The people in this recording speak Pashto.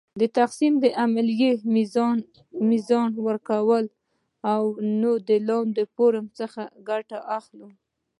د تقسیم د عملیې میزان وکړو نو د لاندې فورمول څخه ګټه اخلو .